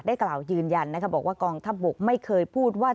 กล่าวยืนยันบอกว่ากองทัพบกไม่เคยพูดว่า